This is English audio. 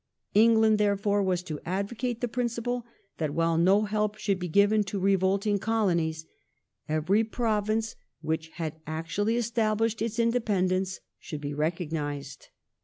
England, therefore, was to advocate the principle that, while no help should be given to revolting Colonies, every province which had actually established its inde pendence should be recognized.